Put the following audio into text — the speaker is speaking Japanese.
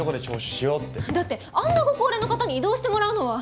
あんなご高齢の方に移動してもらうのは。